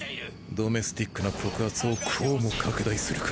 ドメスティックな告発をこうも拡大するか。